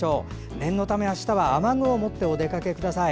念のため明日は雨具を持ってお出かけください。